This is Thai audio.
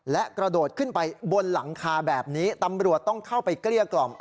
และกระโดดขึ้นไปบนหลังคาแบบนี้ตำรวจต้องเข้าไปเกลี้ยกล่อม